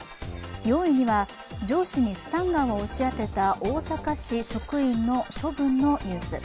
４位には上司にスタンガンを押し当てた大阪市職員の処分のニュース。